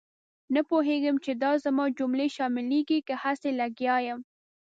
نه پوهېږم چې دا زما جملې شاملېږي که هسې لګیا یم.